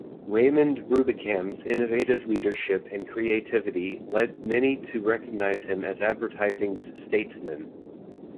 Raymond Rubicam's innovative leadership and creativity led many to recognize him as advertising's statesman.